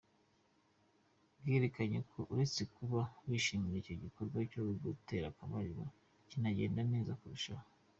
Bwerekanye ko uretse kuba bishimira icyo gikorwa cyo gutera akabariro, kinagenda neza kurushaho.